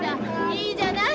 いいじゃない。